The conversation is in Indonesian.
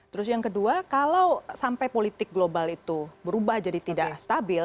terus yang kedua kalau sampai politik global itu berubah jadi tidak stabil